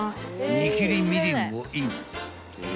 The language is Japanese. ［煮切りみりんをイン］